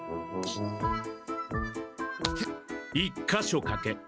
１か所かけ。